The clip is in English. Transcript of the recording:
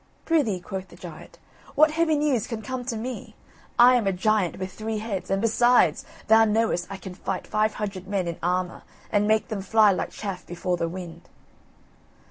"Prithee," quoth the giant, "what heavy news can come to me? I am a giant with three heads, and besides thou knowest I can fight five hundred men in armour, and make them fly like chaff before the wind."